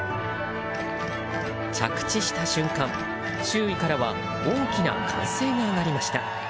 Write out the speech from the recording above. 着地した瞬間、周囲からは大きな歓声が上がりました。